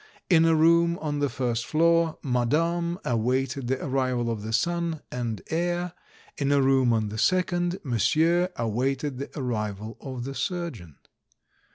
In a room on the first floor, madame awaited the arrival of the son and heir; in a room on the second, monsieur awaited the arrival of the surgeon.